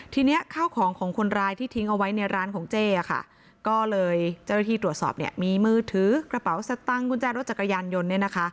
ทีนี้ข้าวของของคนร้ายที่ทิ้งเอาไว้ในร้านของเจ้ค่ะก็เลยเจ้าหน้าที่ตรวจสอบเนี่ยมีมือถือกระเป๋าสตังค์กุญแจรถจักรยานยนต์เนี่ยนะคะ